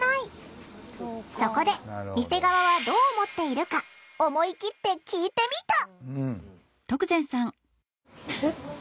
そこで店側はどう思っているか思い切って聞いてみた。